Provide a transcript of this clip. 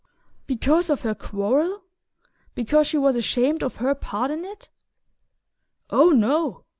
"Because of her quarrel? Because she was ashamed of her part in it?" "Oh, no.